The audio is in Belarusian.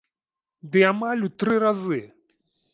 Ды амаль у тры разы!